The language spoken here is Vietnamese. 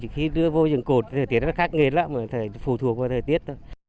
khi đưa vô rừng cột thời tiết nó khác nghề lắm phải phù thuộc vào thời tiết